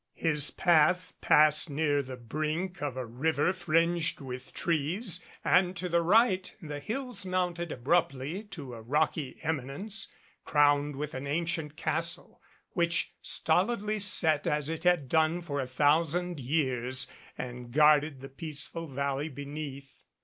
His path passed near the brink of a river fringed with trees and to the right the hills mounted abruptly to a rocky eminence, crowned with an ancient castle which stolidly sat as it had done for a thousand years and guarded the peaceful valley beneath.